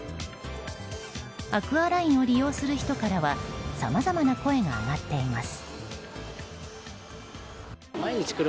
アクアラインを利用する人からはさまざまな声が上がっています。